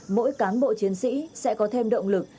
mỗi cán bộ chiến sĩ sẽ có thêm động lực